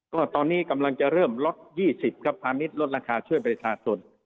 ก็ตอนนี้กำลังจะเริ่มลด๒๐ครับภารมิตรลดราคาช่วยบริษัทส่วน